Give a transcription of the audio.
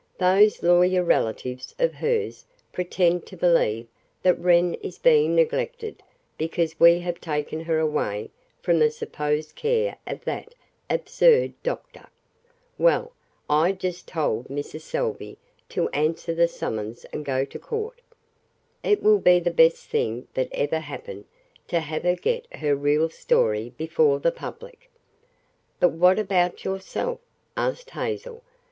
Those lawyer relatives of hers pretend to believe that Wren is being neglected because we have taken her away from the supposed care of that absurd doctor. Well, I just told Mrs. Salvey to answer the summons and go to court. It will be the best thing that ever happened to have her get her real story before the public." "But what about yourself?" asked Hazel.